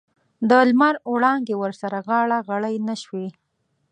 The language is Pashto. د لمر وړانګې ورسره غاړه غړۍ نه شوې.